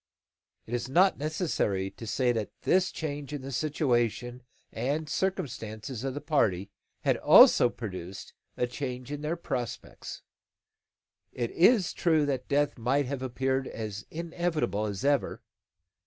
It is not necessary to say that this change in the situation and circumstances of the party had also produced a change in their prospects. It is true that death might have appeared as inevitable as ever.